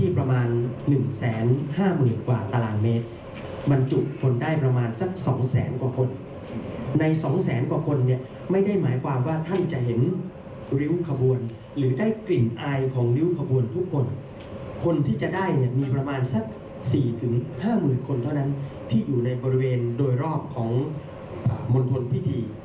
ประมาณสัก๔๕หมื่นคนเท่านั้นที่อยู่ในบริเวณโดยรอบของมณฑลพิธี